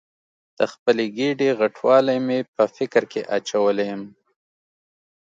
د خپلې ګېډې غټوالی مې په فکر کې اچولې یم.